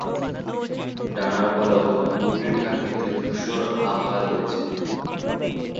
ডানার পালক উপরি-ঢাকনিতে ধূসর আভা রয়েছে।